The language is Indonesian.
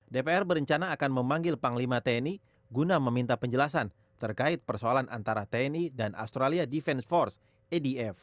dpr berencana akan memanggil panglima tni guna meminta penjelasan terkait persoalan antara tni dan australia defense force adf